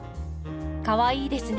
かわいいですね。